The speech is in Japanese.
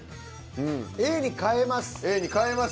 Ａに変えます。